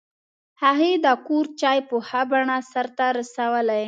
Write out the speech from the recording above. هغې د کور چارې په ښه بڼه سرته رسولې